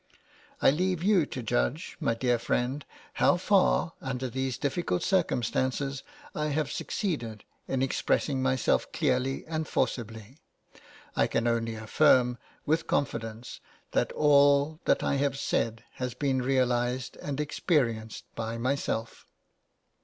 I leave you to judge, my dear friend, how far, under these difficult circumstances, I have succeeded in expressing myself clearly and forcibly; I can only affirm with confidence that all that I have said has been realised and experienced by myself.